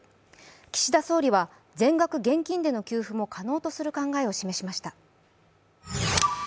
岸田総理は全額現金での給付も可能とする考えを示しました。